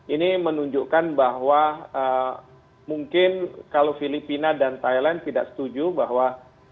ini menunjukkan bahwa mungkin kalau filipina dan thailand tidak setuju bahwa